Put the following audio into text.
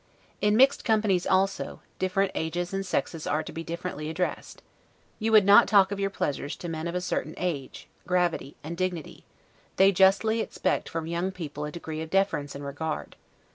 In mixed companies also, different ages and sexes are to be differently addressed. You would not talk of your pleasures to men of a certain age, gravity, and dignity; they justly expect from young people a degree of deference and regard.